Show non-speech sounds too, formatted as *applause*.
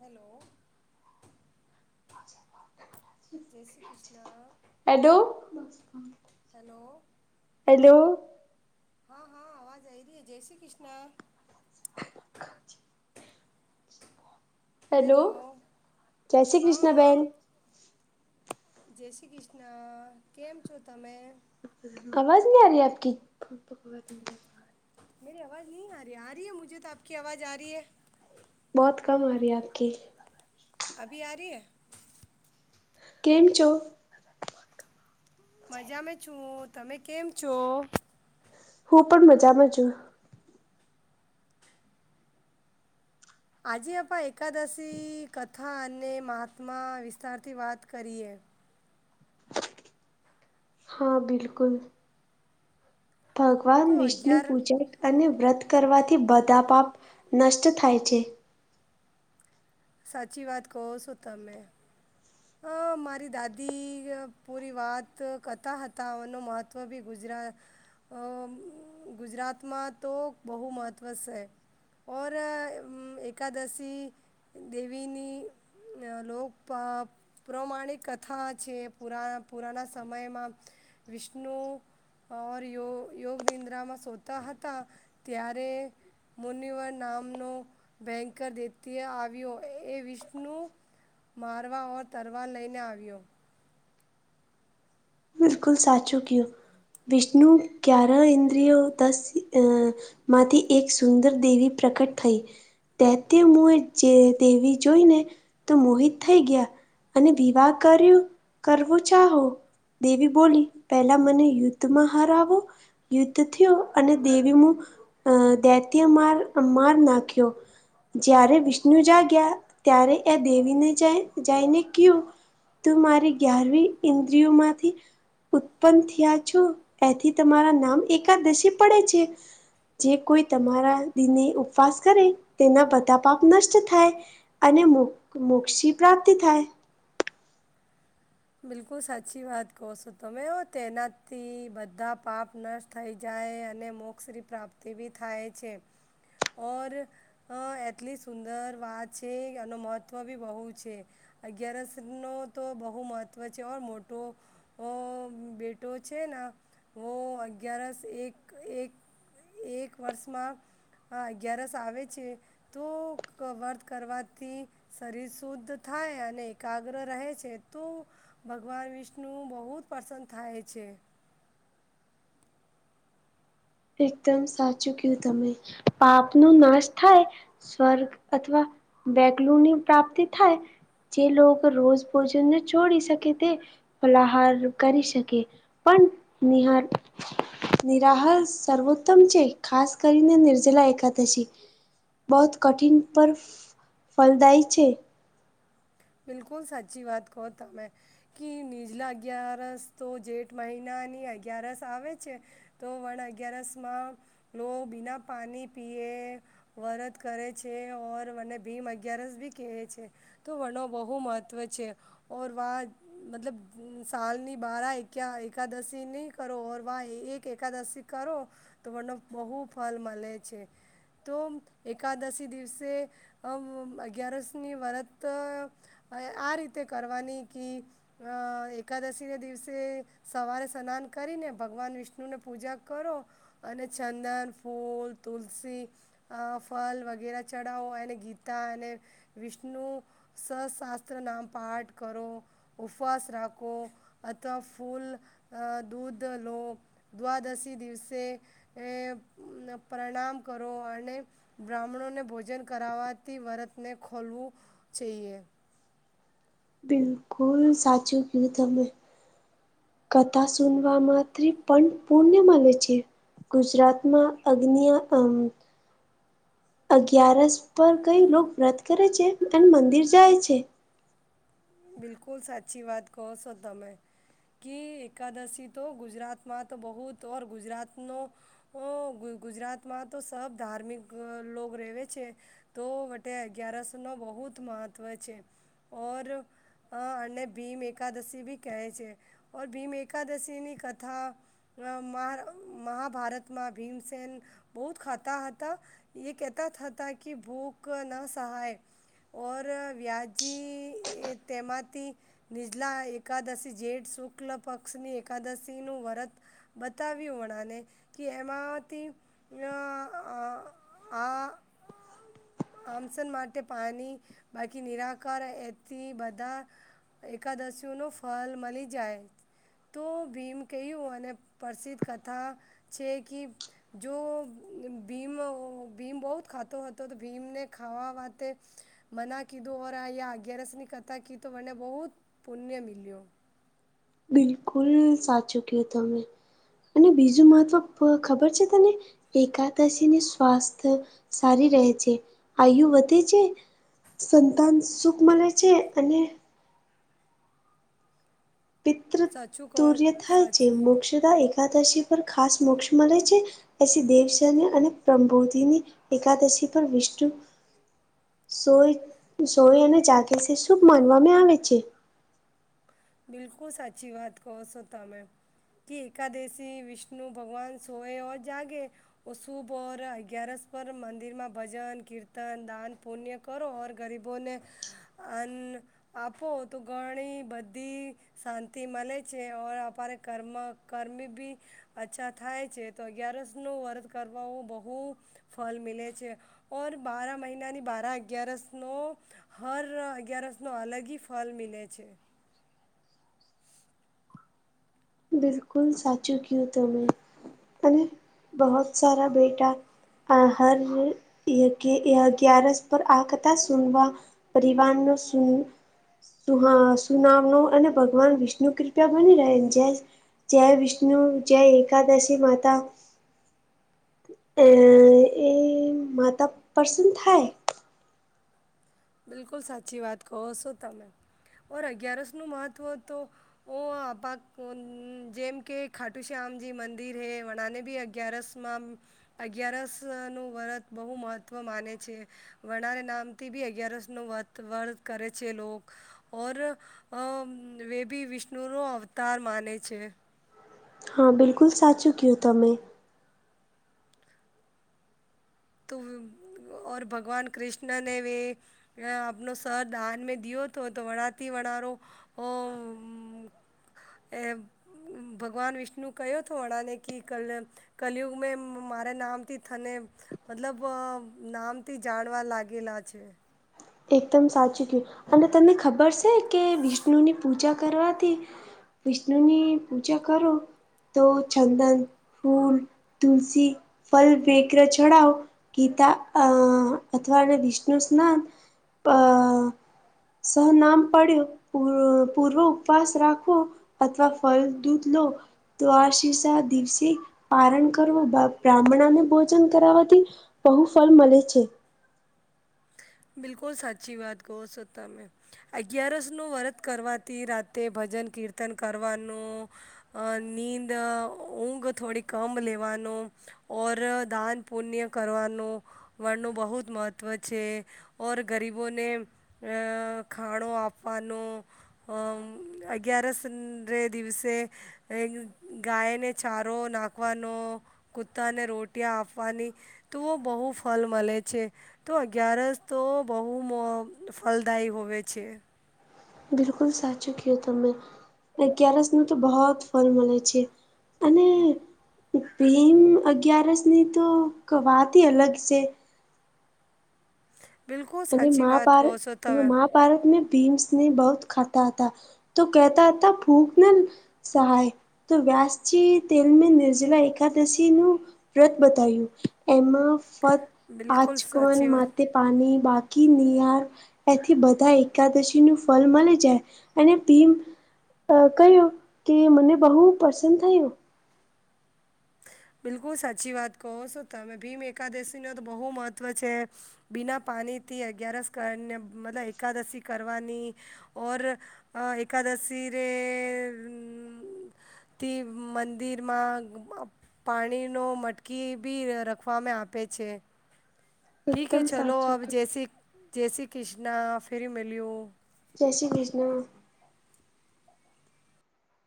Hello. જય શ્રી કૃષ્ણ. હેડુ hello. Hello. હા હા આવાજ આવી રહી જય શ્રી કૃષ્ણ. હેલો જય શ્રી હા કૃષ્ણ હા બહેન. જય શ્રી કૃષ્ણ કેમ છો તમે? આવાજ નહીં આ રહી આપકી. મેરી આવાજ નહીં આ રહી આ રહી હે મુજે તો આપકી આવાજ આ રહી છે. બહોત કમ આ રહી આપકી. અભી આ રહીએ? કેમ છો મજામાં છું તમે કેમ છો હું પણ મજામાં છું આજે આપણા એકાદશી કથા અને મહાત્મા વિસ્તારથી વાત કરીએ હા બિલકુલ તો ભગવાન વિષ્ણુ અગિયાર પૂજક અને વ્રત કરવાથી બધા પાપ નષ્ટ થાય છે સાચી વાત કહો સો તમેં અ મારી દાદી પૂરી વાત કરતા હતાનું મહત્ત્વ બી ગુજરાત ગુજરાતમાં તો બહુ મહત્ત્વ છે ઔર એકકાદશી દેવીની લોક પ્રમાણિક કથા છે પુરા પુરાના સમયમાં વિષ્ણુ ઓર યોગ યોગ નિદ્રામાં સોતા હતા ત્યારે મુનિવર નામનો ભયંકર દતી્ય આવ્યો એ વિષ્ણુ મારવા ઓર તરવા લઈને આવ્યો બિલકુલ સાચું કહયો વિષ્ણુ ગ્યાર ઇન્દ્રિયો દસ અ માંથી એક સુંદર દેવી પ્રકટ થઈ તે તે મો તેવી જોઈ ને તો મોહિત થઈ ગયા અને દીવા કર્યો કરવું ચાહો દેવી બોલી પેલા મને યુદ્ધમાં હાર વુ યુદ્ધ થયો અને દેવીમાં દૈત્ય માર માર નાખ્યો જય્યારે વિષ્ણુ જાગ્યા ત્યારે એ દેવીને જઈને ક્યું તો મારી ગ્યારવી ઇન્દ્રિયોમાં ઉત્પન્ન થયા છો એથી તમારા નામ એકાદશી પડે છે જે કોઈ તમારા દિને ઉપવાસ કરે તેના બધા પાપ નષ્ટ થાય અને મો મોક્ષી પ્રાપ્તિ થાય બિલકુલ સાચી વાત કહો છો તમે તેનાથી બધા પાપ નષ્ટ થઈ જાય અને મોક્ષની પ્રાપ્તિ બી થાય છે ઓર હ એટલી સુંદર વાત છે એનું મહત્ત્વ બી બહુ છે અગિયારસ નો તો બહુ મહત્ત્વ છે ઓર મોટો ઓ બેટો છે ને હ અગિયારસ એક એક એક વર્ષમાં અગિયારસ આવે છે તો વર્ત કરવાથી શરીર શુદ્ધ થાય, અને એકાગ્ર રહે છે તું. ભગવાન વિષ્ણુ બહુ જ પ્રસન્ન થાય છે. એકદમ સાચું કહ્યું, તમે પાપ નું નાશ થાય. સ્વર્ગ અથવા બેગલું ની પ્રાપ્તિ થાય. જે લોકો રોજ ભોજન ને છોડી શકે તે. ફલાહાર કરી શકે, પણ નિહ નિરાહ. સર્વોત્તમ છે, ખાસ કરીને નિર્જલા એકાદશી. બહુત કઠિન પર ફલદાયી છે. બિલકુલ, સાચી વાત કહો તમે. કે નીજલા અગિયારસ તો, જેઠ મહિનાની અગિયારસ આવે છે. તો વણ અગિયારસ માં લો બિના પાણી પીએ. વરત કરે છે, ઓર મને ભીમ અગિયારસ ભી કહે છે, તો વનો. બહુ મહત્ત્વ છે, ઓર વાહ! મતલબ, સાલનીં બાર એકા એકાદશીનીં કરો, વાહ એક એકાદશી. કરો તો, મને બહુ ફળ મળે છે. તો એકાદશી દિવસે અગિયારસની વ્રત. હ, આ રીતે કરવાની ક. અ એકાદશીના દિવસે સવારે સ્નાન કરીને, ભગવાન વિષ્ણુને પૂજા કરો. અને ચંદન, ફૂલ, તુલસી. ફલ વગેરે ચડાવો, અને ગીતા અને વિષ્ણુ. સશાસ્ત્ર નામ પાઠ કરો. ઉપાસ રાખો, અથવા ફૂલ, દૂધ લો. દ્વાદશી દિવસે પ્રણામ કરો, અને બ્રાહ્મણોને ભોજન કરાવથી, વ્રતને ખોલવું જોઈએ. બિલકુલ, સાચું કહ્યું તમે. કથા સુનવા માથી પણ પુણ્ય માને છે. ગુજરાતમાં અગ્નિ અગિયારસ. પર કઈ લો વ્રત કરે છે, અને મંદિર જાય છે. બિલકુલ, સાચી વાત કહો છો તમે. કે એકાદશી તો ગુજરાતમાં તો બહુ ઓર ગુજરાતનો હ, ગુજરાતમાં તો સબ ધાર્મિક લોગ રહેવે છે. તો વટે અગયારસો નો બહુત મહત્વ છે, ઓર. અ અને ભીમ એકાદશી બી કહે છે, ઓર ભીમ એકાદશીની કથા. મહાભારતમાં ભીમસેન બહુ જ ખાતા હતા. એ કહેતા હતા કે, ભૂખ ના સહાય. ઔર વ્યાજી તમાતી. નીજલા એકાદશી, જેઠ શુક્લ પક્ષની એકાદશીનું વ્રત. બતાવ્યું વણાને કે, એમાંથી હા. આમસન માટે પાણી બાકી નિરાકાર એથી, બધા. એકાદશીઓનું ફલ મળી જાય. તો ભીમ કહ્યું અને પ્રસિદ્ધ કથા છે કે. જો ભીમ ભીમ બહુ ખાતો હતો. ભીમને ખાવા વાતે. મને કીધું આ અગિયારસની કથા કી તો વને બહુત પુણ્ય મિલ્યો. બિલકુલ, સાચું કહ્યું તમે. અને બીજું, મહત્વ ખબર છે તને? એકાદશીને સ્વાસ્થ્ય સારી રહે છે, આયુ વધે છે. સંતાન સુખ મળે છે, અને પિતૃ સાચું કહો તુર્ય થાય છે, સાચું મોક્ષતા એકાદશી પર ખાસ મોક્ષ મળે છે. પછી દેવસની અને પ્રબોધની એકાદશી પર વિષ્ણુ. સોય સોય અને ચાગસ શુભ માનવામાં આવે છે. બિલકુલ સાચી વાત કહો સો તમેં કે એકાદશી વિષ્ણુ ભગવાન સોએ ઓર જાગે ઓશુભ અગિયારસ પર મંદિરમાં ભજન કીર્તન દાન પુણ્ય કરો ઓર ગરીબોને અન આપો તો ઘણી બધ બધી શાંતિ મળે છે ઓર અમારે કર્મ કર્મ બી અચ્છા થાય છે તો અગિયારસ નું વર્ત કરવા બહું ફળ મિલે છે ઓર બાર મહિનાની બાર અગિયારસ નો હર અગિયારસ નો અલગ હિ ફલ મિલે છે. બિલકુલ સાચું કયું તમે અને બહોત સારા બેટા આ હર કે અગિયારસ પર આ કથા સુનવા પરિવારનો સુન સુહા સુનામનું અને ભગવાન વિષ્ણુ કૃપા બની રહે જે જય વિષ્ણુ જય એકાદશી માતા અ એ માતા પ્રસન થાય બિલકુલ સાચી વાત કહો છો તમે ઓર અગિયારસ નું મહત્ત્વ તો ઓ અપાક જેમ કે ખાટુ શ્યામજી મંદિર હે વનાને બી અગિયારસ માં મ અગિયારસ નું વ્રત બહું મહત્વ માને છે વનારે નામથી બી અગિયારસ નો વ્રત વ્રત કરે છે લોક ઓર અ વે ભી વિષ્ણુનો અવતાર માને છે. હા બિલકુલ સાચું કેવ તમે. તુમ ઓર ભગવાન કૃષ્ણને ભી ત્યાં આપણું સત દાન માં દિયો તો તો વણાતી વણારો ઓમ એમ ભગવાન વિષ્ણુ કયો તો અનાનેકી ક્લયપ કલયુગ મે મારે નામથી થને મતલબ અ નામથી જાણવા લાગેલા છે. એકદમ સાચું કેવ અને તમને ખબર છે કે વિષ્ણુની પૂજા કરવાથી વિષ્ણુની પૂજા કરો તો ચંદન ફૂલ તુલસી ફલ બે કર ચડાઓ ગીતા અ અથવા વિષ્ણુ સ્નાન અ શું નામ પડ્યું પૂર્વ ઉપવાસ રાખુ અથવા ફલ દૂધ લો. તો આ શીષા દિવસે પારણ કરવું બ્રાહ્મણને ભોજન કરાવાથી બહું ફલ મલે છે. બિલકુલ સાચી વાત કહો છો તમે. અગિયારસ નું વ્રત કરવાથી રાતે ભજન કીર્તન કરવાનું અ નીંદ ઊંઘ થોડી કમ લેવાનું ઓર દાન પુણ્ય કરવાનું વડનું બહુંત મહત્ત્વ છે. ઓર ગરીબોને અ ખાણો આપવાનો અ અગિયારસ ના દિવસે એ ગાયને ચારો નાખવાનો કુતાને રોટિયા આપવાની તોઓ બહું ફલ મલે છે તો અગિયારસ તો બહું મ ફલદાયી હોવે છે‌. બિલકુલ સાચું કયો તમે. અગિયારસનું બહુ ફલ મલે છે અને ભીમ અગિયારસ ની તો વાતહિ અલગ છે. બિલકુલ અને સાચી વાત મહાભારત કહો છો તમે મહાભારતમે ભીમ્સ ને બહુંત ખાતા હતા. તો કેતા હતા *unintelligible* સહાય તો વ્યાસજી તેલમે નિર્જલા એકાદશી નું વ્રત બતાયું, એમાં ફક્ત બિલકુલ આચકન સાચી વાત માટે પાની બા *unintelligible* એથી બધા એકાદશી નું ફલ મલી જાય, અને અ કહ્યું કે, મને બહું પસંદ થયું. બિલકુલ, સાચી વાત કહો છો તમે. ભીમ એકાદશીનો તો બહું મહત્ત્વ છે. બિના પાણીથી અગિયારસ કરીને, મતલબ એકાદશી કરવાની. ઓર અ એકાદશી રે તે મંદિરમાં પાણીનો મટકી બી રખવામાં આપે છે. ઠીકે એકદમ હે, ચલો, સાચું અબ કે જૈસી જૈસી કિન્ના ફિર મલયો. જય શ્રી કૃષ્ણ.